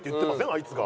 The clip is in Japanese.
あいつが。